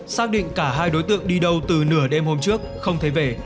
xác định cả hai đối tượng đi đâu từ nửa đêm hôm trước không thấy về